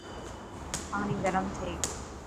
پاڻي گرم ٿي گيو.